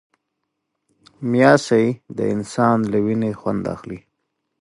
غوماشې د انسان له وینې خوند اخلي.